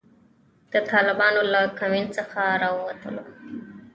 د طالبانو له کمین څخه را ووتلو.